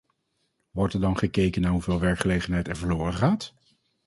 Wordt er dan gekeken naar hoeveel werkgelegenheid er verloren gaat?